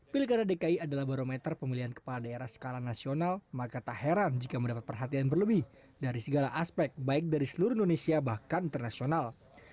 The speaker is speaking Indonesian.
pilkada dki adalah barometer pemilihan kepala daerah skala nasional maka tak heran jika mendapat perhatian berlebih dari segala aspek baik dari seluruh indonesia bahkan internasional